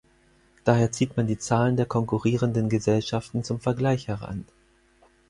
Daher zieht man die Zahlen der konkurrierenden Gesellschaften zum Vergleich heran.